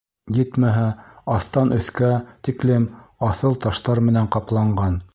Етмәһә, аҫтан өҫкә тиклем аҫыл таштар менән ҡапланған.